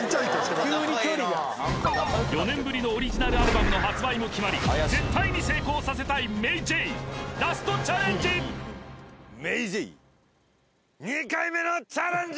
急に距離が４年ぶりのオリジナルアルバムの発売も決まり絶対に成功させたいＭａｙＪ．ラストチャレンジＭａｙＪ．２回目のチャレンジ！